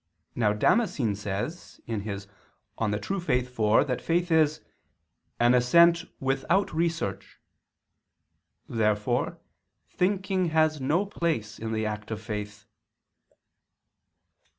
Now Damascene says (De Fide Orth. iv) that faith is "an assent without research." Therefore thinking has no place in the act of faith.